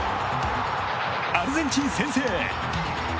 アルゼンチン、先制！